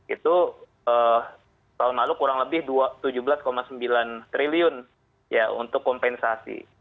itu tahun lalu kurang lebih tujuh belas sembilan triliun untuk kompensasi